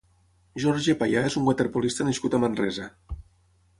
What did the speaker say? Jorge Payá és un waterpolista nascut a Manresa.